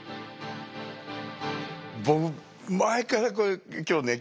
僕前から今日ね